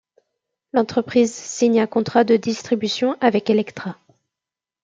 L'entreprise signe un contrat de distribution avec Elektra.